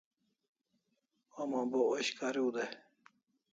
Homa bo osh kariu day